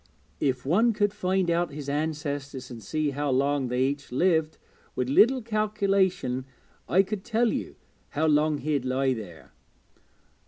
If one could find out his ancestors and see how long they each lived, with a little calculation I could tell you how long he'd lie there.'